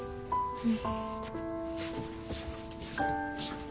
うん。